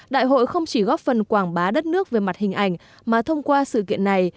đại hội không chỉ góp phần quảng bá đất nước về mặt hình ảnh mà thông qua sự kiện này